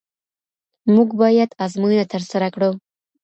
موږ باید آزموینه ترسره کړو.